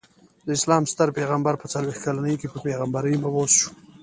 د اسلام ستر پيغمبر په څلويښت کلني کي په پيغمبری مبعوث سو.